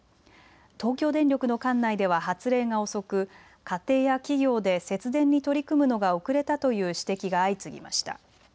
東京電力の管内では発令が遅く家庭や企業で節電に取り組むのが遅れたという指摘が相次ぎました。